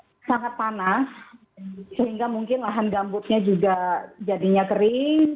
ini sangat panas sehingga mungkin lahan gambutnya juga jadinya kering